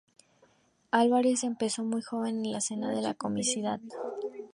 Álvarez empezó muy joven en la escena de la comicidad.